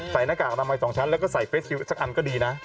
ใส่หน้ากากอนามัย๒ชั้นแล้วก็ใส่สักอันก็ดีนะ